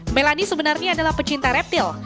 melani sebenarnya adalah pecinta reptil